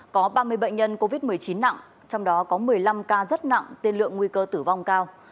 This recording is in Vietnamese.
có ba mươi bệnh nhân covid một mươi chín nặng trong đó có một mươi năm ca rất nặng tiên lượng nguy cơ tử vong cao